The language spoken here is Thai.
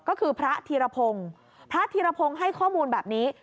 ก็คือพระธีรพงศ์พระธีรพงศ์ให้ข้อมูลแบบนี้